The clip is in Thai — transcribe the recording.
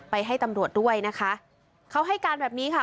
ให้ตำรวจด้วยนะคะเขาให้การแบบนี้ค่ะ